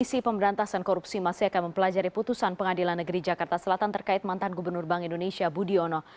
komisi pemberantasan korupsi masih akan mempelajari putusan pengadilan negeri jakarta selatan terkait mantan gubernur bank indonesia budiono